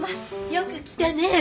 よく来たねえ。